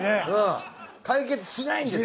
解決しないんですよ。